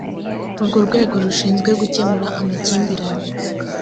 urwo rwego rushinzwe gukemura amakimbirane